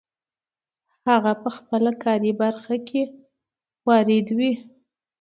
هغه په خپله کاري برخه کې وارد وي.